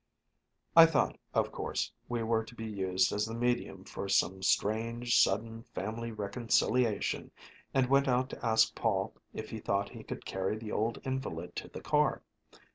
I thought, of course, we were to be used as the medium for some strange, sudden family reconciliation, and went out to ask Paul if he thought he could carry the old invalid to the car.